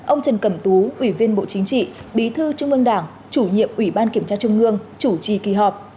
ông trần cẩm tú ủy viên bộ chính trị bí thư trung ương đảng chủ nhiệm ủy ban kiểm tra trung ương chủ trì kỳ họp